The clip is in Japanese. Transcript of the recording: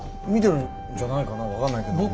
見てるんじゃないかな分かんないけど。